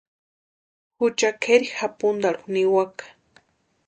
Jucha kʼeri japuntarhu niwaka.